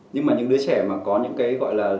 nhưng mà những đứa trẻ mà có những cái gọi là